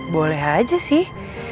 boleh aja sih